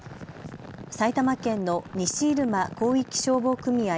埼玉県の西入間広域消防組合